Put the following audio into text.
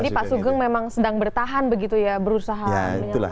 jadi pak sugeng memang sedang bertahan begitu ya berusaha menyelamatkan diri juga